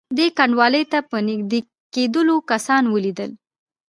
دې کنډوالې ته په نږدې کېدلو کسان ولیدل.